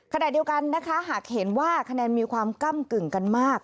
ขณะเดียวกันนะคะหากเห็นว่าคะแนนมีความก้ำกึ่งกันมาก